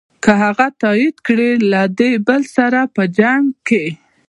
که هغه تایید کړې له دې بل سره په جنګ یې.